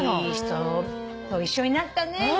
いい人と一緒になったね。